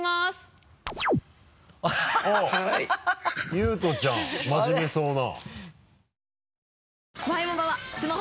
悠人ちゃん真面目そうな。